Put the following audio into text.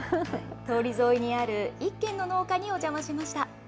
通り沿いにある１軒の農家にお邪魔しました。